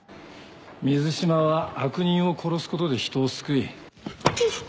水島は悪人を殺すことで人を救い。